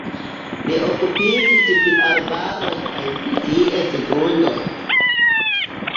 Li okupiĝis pri arbaroj kaj pri ties grundoj.